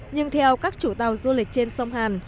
nhưng theo các chủ tàu du lịch trên sông hàn